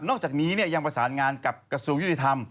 อกจากนี้ยังประสานงานกับกระทรวงยุติธรรม